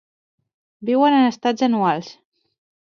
Viuen en estats anuals.